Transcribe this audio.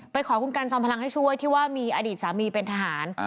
ขอคุณกันจอมพลังให้ช่วยที่ว่ามีอดีตสามีเป็นทหาร